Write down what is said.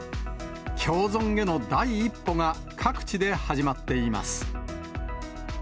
共存への第一歩が、各地で始まっています。